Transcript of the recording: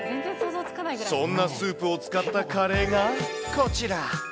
そんなスープを使ったカレーがこちら。